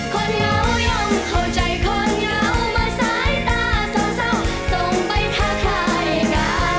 คนเหงายอมเข้าใจความเหงาเหมือนสายตาสาวส่งไปทักทายกัน